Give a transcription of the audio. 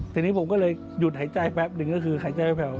ทีนี้ผมก็เลยหยุดหายใจแป๊บหนึ่งก็คือหายใจแผลว